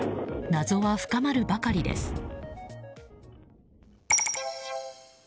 謎は深まるばかりです。